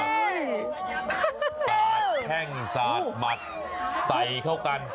สาดแข้งสาดหมัดใส่เข้ากัน